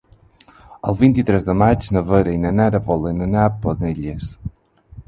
El vint-i-tres de maig na Vera i na Nara volen anar a Penelles.